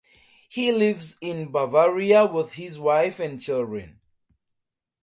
He lives in Bavaria with his wife and children.